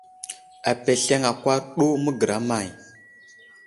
Apesleŋ akwar ɗu məgəra may ?